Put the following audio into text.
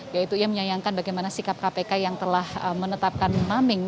yaitu ia menyayangkan bagaimana sikap kpk yang telah menetapkan maming